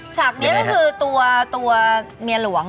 ฉากนี้ก็คือตัวเมียหลวง